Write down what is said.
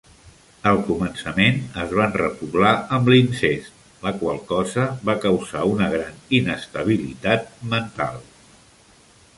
Al començament es van repoblar amb l'incest, la qual cosa va causar una gran inestabilitat mental.